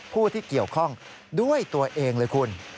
ผู้ที่เกี่ยวข้องด้วยตัวเองเลยคุณ